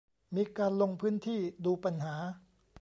มีการลงพื้นที่ดูปัญหา